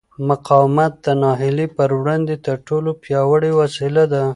مقاومت د ناهیلۍ پر وړاندې تر ټولو پیاوړې وسله ده.